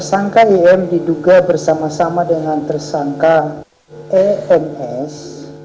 tersangka im diduga bersama sama dengan tersangka ems